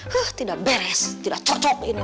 hah tidak beres tidak cocok ini